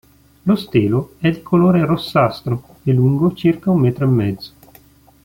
Lo stelo è di colore rossastro e lungo circa un metro e mezzo.